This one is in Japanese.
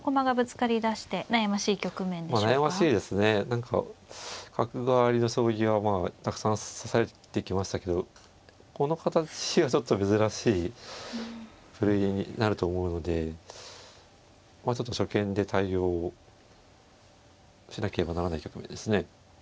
何か角換わりの将棋はたくさん指されてきましたけどこの形はちょっと珍しい部類になると思うのでちょっと初見で対応しなければならない局面ですね。